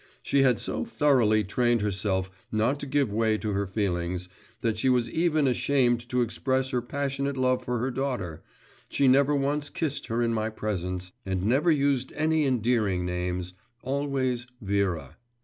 She had so thoroughly trained herself not to give way to her feelings that she was even ashamed to express her passionate love for her daughter; she never once kissed her in my presence, and never used any endearing names, always Vera.